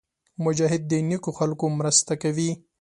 مجاهد د نېکو خلکو مرسته کوي.